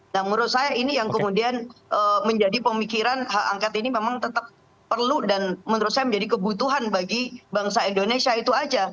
nah menurut saya ini yang kemudian menjadi pemikiran hak angket ini memang tetap perlu dan menurut saya menjadi kebutuhan bagi bangsa indonesia itu aja